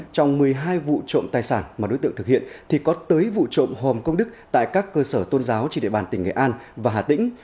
trong một mươi hai vụ trộm tài sản mà đối tượng thực hiện thì có tới vụ trộm hòm công đức tại các cơ sở tôn giáo trên địa bàn tỉnh nghệ an và hà tĩnh